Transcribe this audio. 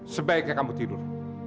sebaiknya kamu tidur